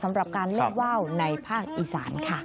สำหรับการเล่นว่าวในภาคอีสานค่ะ